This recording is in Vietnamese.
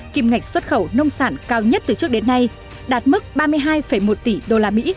kim ngạch xuất khẩu nông sản cao nhất từ trước đến nay đạt mức ba mươi hai một tỷ usd